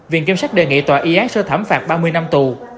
viện kiểm sát đề nghị tòa y án sơ thẩm phạt ba mươi năm tù